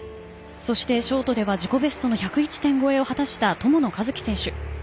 そして、ショートでは自己ベストの１０１点越えを果たした友野一希選手。